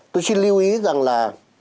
tôi xin lưu ý rằng là